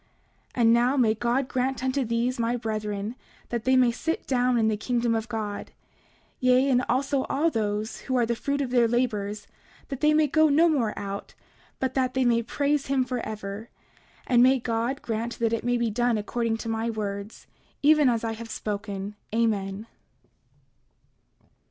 29:17 And now may God grant unto these, my brethren, that they may sit down in the kingdom of God; yea, and also all those who are the fruit of their labors that they may go no more out, but that they may praise him forever. And may God grant that it may be done according to my words, even as I have spoken. Amen.